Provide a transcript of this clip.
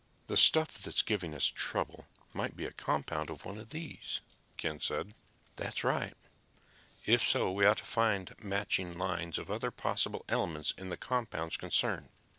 "The stuff that's giving us trouble might be a compound of one of these," said Ken. "That's right. If so, we ought to find matching lines of other possible elements in the compounds concerned.